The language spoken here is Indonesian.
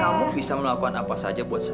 kamu bisa melakukan apa saja buat saya